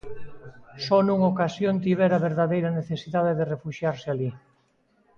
Só nunha ocasión tivera verdadeira necesidade de refuxiarse alí.